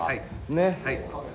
ねっ。